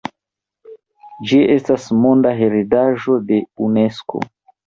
Ĝi estas Monda heredaĵo de Unesko.